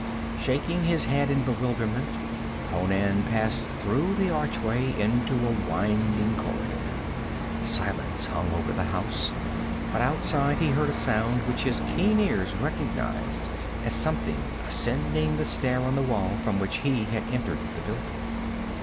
Shaking his head in bewilderment, Conan passed through the archway into a winding corridor. Silence hung over the house, but outside he heard a sound which his keen ears recognized as something ascending the stair on the wall from which he had entered the building.